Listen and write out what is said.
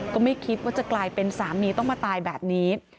ก็ไม่คิดว่าจะกลายเป็นสามีต้องมาตายแบบนี้